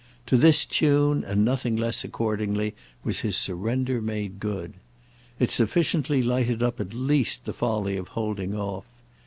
To this tune and nothing less, accordingly, was his surrender made good. It sufficiently lighted up at least the folly of holding off.